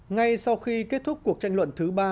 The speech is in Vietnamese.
ngay sau khi kết thúc cuộc tranh luận thứ ba